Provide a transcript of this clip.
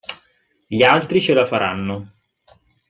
Gli altri ce la faranno.